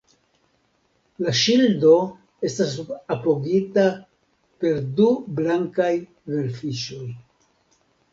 La ŝildo estas apogita per du blankaj velfiŝoj.